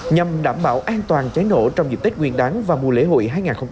nhằm đảm bảo an toàn cháy nổ trong dịp tết nguyên đáng và mùa lễ hội hai nghìn hai mươi bốn